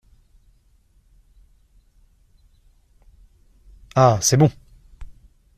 Ah, c’est bon !